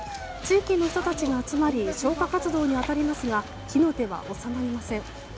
地域の人たちが集まり消火活動に当たりますが火の手は収まりません。